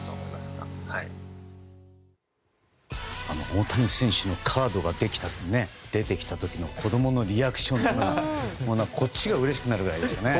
大谷選手のカードが出てきた時の子供のリアクションがこっちがうれしくなるぐらいでしたね。